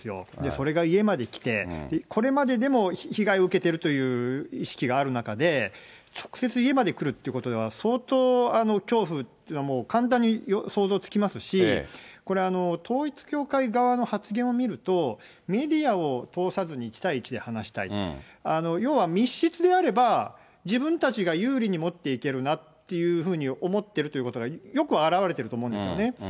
それが家まで来て、これまででも被害を受けてるという意識がある中で、直接家まで来るってことは、相当恐怖、簡単に想像つきますし、これ、統一教会側の発言を見ると、メディアを通さずに１対１で話したい、要は密室であれば、自分たちが有利に持っていけるなっていうふうに思ってるということがよく表れてると思うんですよね。